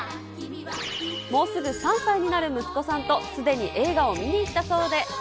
もうすぐ３歳になる息子さんとすでに映画を見に行ったそうで。